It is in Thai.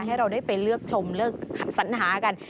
ให้เราได้ไปเลือกชมเลือกสัญหากัน